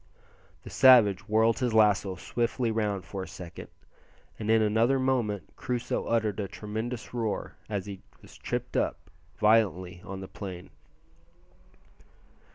The savage whirled his lasso swiftly round for a second, and in another moment Crusoe uttered a tremendous roar as he was tripped up violently on the plain.